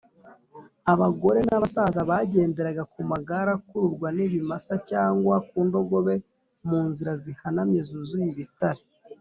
. Abagore n’abasaza bagenderega ku magare akururwa n’ibimasa cyangwa ku ndogobe mu nzira zihanamye zuzuye ibitare